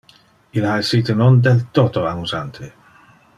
Il ha essite non del toto amusante.